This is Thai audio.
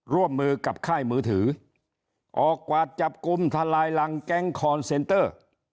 ร่วมมือกับค่ายมือถือออกกวาดจับกลุ่มทะลายรังแก๊งคอนเซนเตอร์